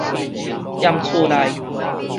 踮厝內